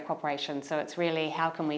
chúng tôi rất hài lòng